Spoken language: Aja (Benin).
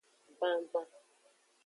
Gbangban.